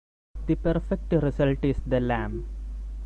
The perfect result is the lamm.